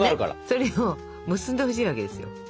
それを結んでほしいわけですよ。